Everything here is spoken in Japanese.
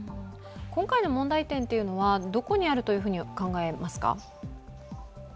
今回の問題点はどこにあると考えますか。